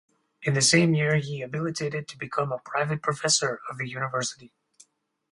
In the same year he habilitated to become a private professor of the university.